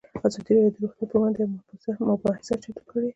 ازادي راډیو د روغتیا پر وړاندې یوه مباحثه چمتو کړې.